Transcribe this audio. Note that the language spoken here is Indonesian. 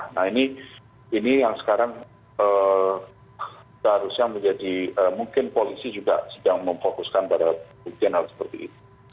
nah ini yang sekarang seharusnya menjadi mungkin polisi juga sedang memfokuskan pada buktian hal seperti itu